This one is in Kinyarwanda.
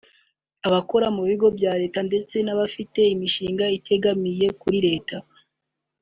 abakora mu bigo bya leta ndetse n’abafite imishinga itegamiye kuri Leta